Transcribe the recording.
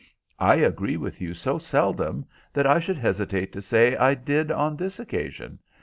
"I agree with you so seldom that I should hesitate to say I did on this occasion.